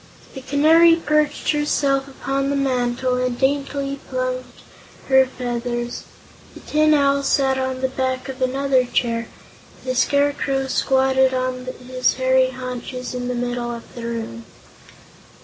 The Canary perched herself upon the mantel and daintily plumed her feathers; the Tin Owl sat on the back of another chair; the Scarecrow squatted on his hairy haunches in the middle of the room.